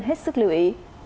hết sức lưu ý